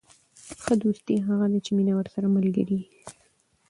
ښه دوستي هغه ده، چي مینه ورسره ملګرې يي.